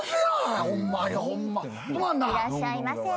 いらっしゃいませ。